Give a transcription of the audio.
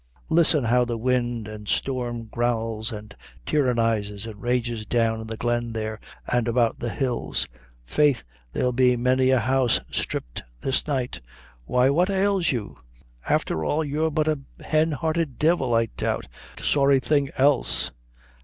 Listen how the wind an' storm growls an' tyrannizes and rages down in the glen there, an' about the hills. Faith there'll be many a house stripped this night. Why, what ails you? Afther all, you're but a hen hearted divil, I doubt; sorra thing else."